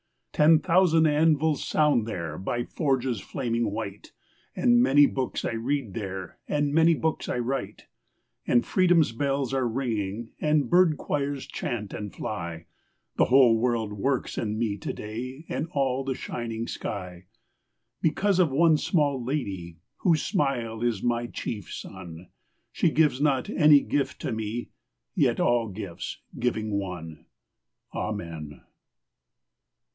Ten thousand anvils sound there By forges flaming white, And many books I read there, And many books I write; And freedom's bells are ringing, And bird choirs chant and fly The whole world works in me to day And all the shining sky, Because of one small lady Whose smile is my chief sun. She gives not any gift to me Yet all gifts, giving one.... Amen.